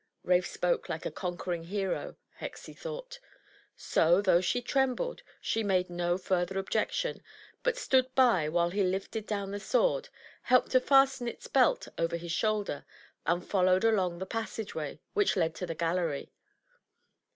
Rafe spoke like a conquering hero, Hexie thought; so, though she trembled, she made no further objection, but stood by while he lifted down the sword, helped to fasten its belt over his shoulder, and followed along the passageway which led to the gallery.